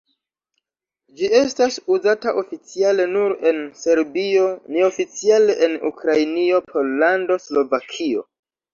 Ĝi estas uzata oficiale nur en Serbio, neoficiale en Ukrainio, Pollando, Slovakio.